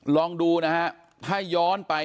ลองดูนะฮะถ้าย้อนไป